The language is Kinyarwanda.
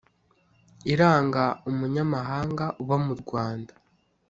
iranga umunyamahanga uba mu rwanda